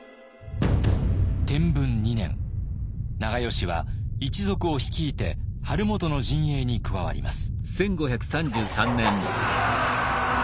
長慶は一族を率いて晴元の陣営に加わります。